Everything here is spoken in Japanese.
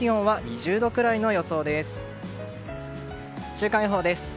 週間予報です。